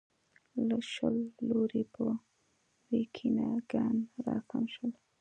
له شل لوري به ویکینګیان راسم شول.